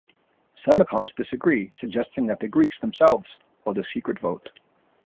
Some accounts disagree, suggesting that the Greeks themselves hold a secret vote.